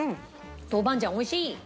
豆板醤美味しい！